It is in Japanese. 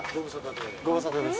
ご無沙汰で。